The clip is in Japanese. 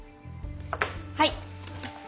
はい。